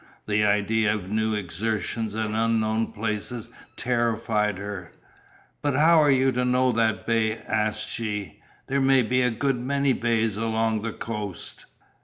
The idea of new exertions and unknown places terrified her. "But how are you to know the bay?" asked she, "there may be a good many bays along the coast."